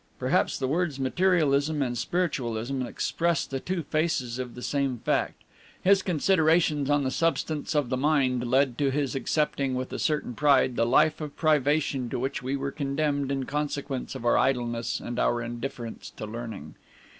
Perhaps the words materialism and spiritualism express the two faces of the same fact. His considerations on the substance of the mind led to his accepting, with a certain pride, the life of privation to which we were condemned in consequence of our idleness and our indifference to learning.